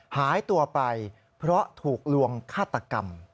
หายตัวไปเพราะถูกลวงฆาตกรรม